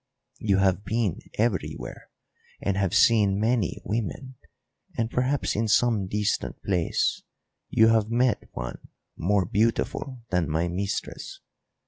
You have been everywhere, and have seen many women, and perhaps in some distant place you have met one more beautiful than my mistress.